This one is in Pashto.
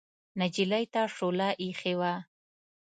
نجلۍ ته شوله اېښې وه.